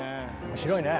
面白いね。